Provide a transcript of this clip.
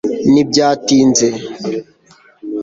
ntibyatinze